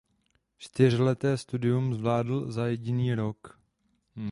Čtyřleté studium zvládl za jediný rok.